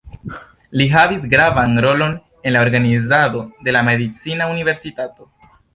Li havis gravan rolon en la organizado de la medicina universitato.